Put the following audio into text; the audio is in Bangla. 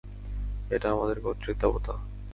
এটা আমাদের গোত্রের দেবতা।